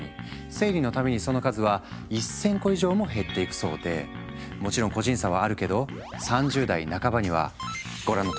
生理の度にその数は１，０００個以上も減っていくそうでもちろん個人差はあるけど３０代半ばにはご覧のとおり。